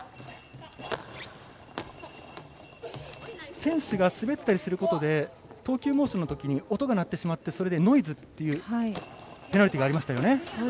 選手が滑ったりすることで投球モーションのときに音が鳴ってしまってそれで、ノイズというペナルティーがありました。